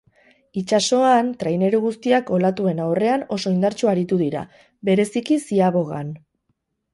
Itsasoan, traineru guztiak olatuen aurreran oso indartsu aritu dira, bereziki ziabogan.